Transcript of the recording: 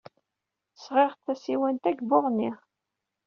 Sɣiɣ-d tasiwant-a deg Buɣni.